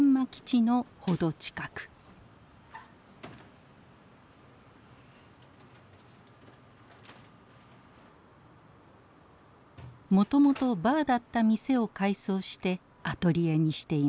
もともとバーだった店を改装してアトリエにしています。